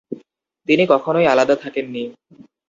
তিনি কখনোই আলাদা থাকেননি।